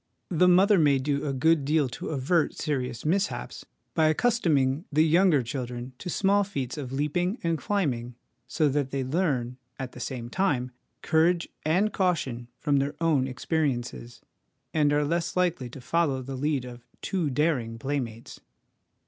The mother may do a good deal to avert serious mishaps by accustoming the younger children to small feats of leaping and climbing, so that they learn, at the same time, courage and caution from their own experiences, and are less likely to follow the lead of too daring playmates.